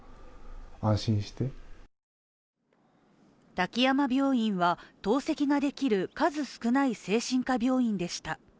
滝山病院は透析ができる数少ない精神科病院でした。